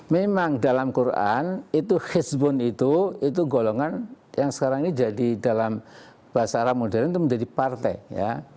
memang dalam quran itu hizbun itu itu golongan yang sekarang ini jadi dalam bahasa arab modern itu menjadi partai ya